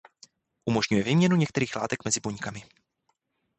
Umožňuje výměnu některých látek mezi buňkami.